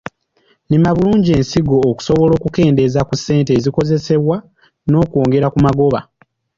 Lima bulungi ensigo okusobola okukendeeza k u ssente ezikozesebwa n’okwongera ku magoba.